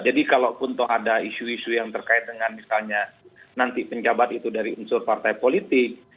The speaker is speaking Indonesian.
jadi kalau pun tuh ada isu isu yang terkait dengan misalnya nanti penjabat itu dari unsur partai politik